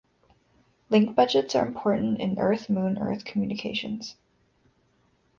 Link budgets are important in Earth-Moon-Earth communications.